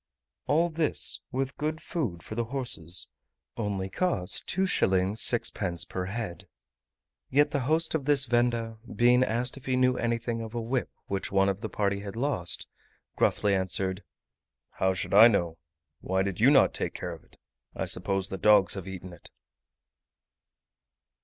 All this, with good food for the horses, only cost 2s. 6d. per head. Yet the host of this venda, being asked if he knew anything of a whip which one of the party had lost, gruffly answered, "How should I know? why did you not take care of it? I suppose the dogs have eaten it."